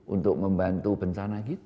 untuk membantu bencana